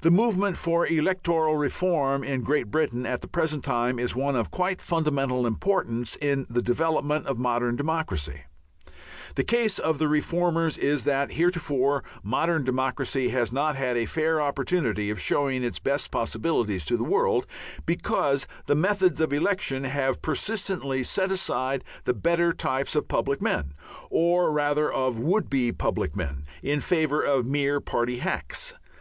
The movement for electoral reform in Great Britain at the present time is one of quite fundamental importance in the development of modern democracy. The case of the reformers is that heretofore modern democracy has not had a fair opportunity of showing its best possibilities to the world, because the methods of election have persistently set aside the better types of public men, or rather of would be public men, in favour of mere party hacks.